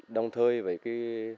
đồng thời với cái